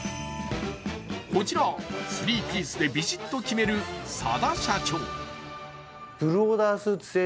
こちらスリーピースでビシッと決める佐田社長。